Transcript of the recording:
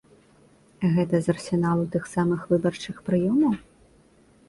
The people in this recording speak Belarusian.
Гэта з арсеналу тых самых выбарчых прыёмаў?